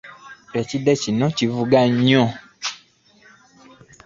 Kide kino kivuga nnyo.